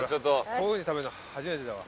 こういう風に食べるの初めてだわ。